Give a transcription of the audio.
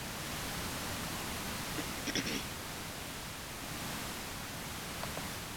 kikosi cha kulinda amani cha umoja wa mataifa